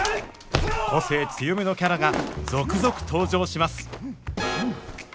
個性強めのキャラが続々登場します